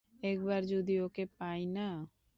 একবার যদি ওকে পাই না!